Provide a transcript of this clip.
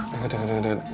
kamu terdengar kan suara itu